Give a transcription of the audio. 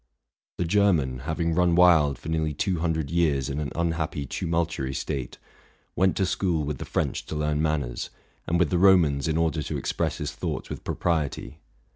The German, having run wild for nearly two hundred years in an unhappy tumultuary state. went to school with the French to learn manners, and with the Romans in order to express his thoughts with pro priety.